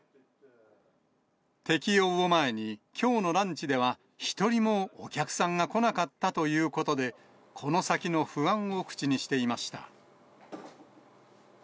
適用を前に、きょうのランチでは、一人もお客さんが来なかったということで、この先の不安を口にしていました。